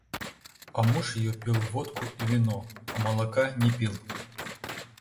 А муж её пил водку и вино, а молока не пил.